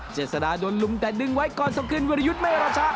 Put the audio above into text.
เจษฎาโดนลุมแต่ดึงไว้ก่อนส่งคืนวิรยุทธ์ไม่ราชะ